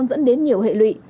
dẫn đến nhiều hệ lụy